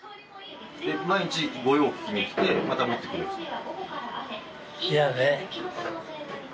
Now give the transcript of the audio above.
毎日ご用聞きにきてまた持ってくるんすか？